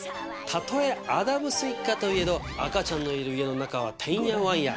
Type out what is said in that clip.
たとえアダムス一家といえど赤ちゃんのいる家の中はてんやわんや。